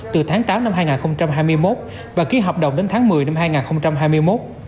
từ tháng tám năm hai nghìn hai mươi một và ký hợp đồng đến tháng một mươi năm hai nghìn hai mươi một